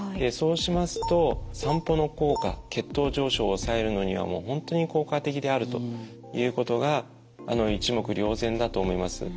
そうしますと散歩の効果血糖上昇を抑えるのにはもう本当に効果的であるということが一目瞭然だと思います。